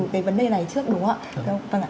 về vấn đề này trước đúng không ạ